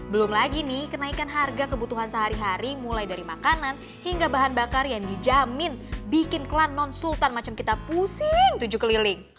belum lagi nih kenaikan harga kebutuhan sehari hari mulai dari makanan hingga bahan bakar yang dijamin bikin klan non sultan macam kita pusing tujuh keliling